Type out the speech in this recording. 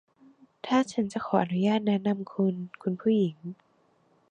ถ้าฉันจะขออนุญาตแนะนำคุณ คุณผู้หญิง